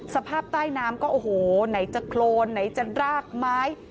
สภาพใต้น้ำก็โอ้โหไหนจะโครนไหนจะรากไม้